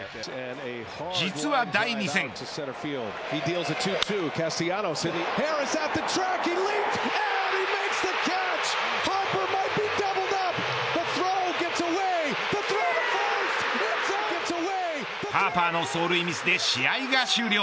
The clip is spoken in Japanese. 実は第２戦ハーパーの走塁ミスで試合が終了。